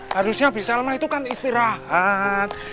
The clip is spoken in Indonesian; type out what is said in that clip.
harusnya bisalma itu kan istirahat